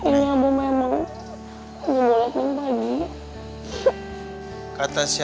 kayaknya abah memang nggak boleh nangis lagi